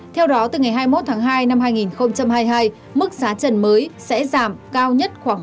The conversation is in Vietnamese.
theo đó từ ngày hai mươi một tháng hai năm hai nghìn hai mươi hai mức giá trần mới sẽ giảm cao nhất khoảng